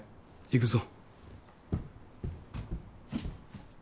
行くぞ。